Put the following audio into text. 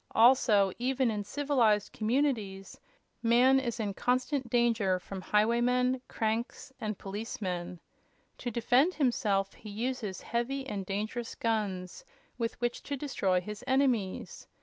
Also, even in civilized communities, man is in constant danger from highwaymen, cranks and policemen. To defend himself he uses heavy and dangerous guns, with which to destroy his enemies.